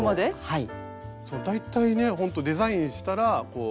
はい。